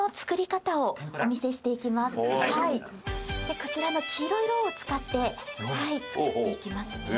こちらの黄色いろうを使って作っていきます。